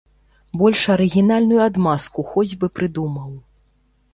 Больш арыгінальную адмазку хоць бы прыдумаў.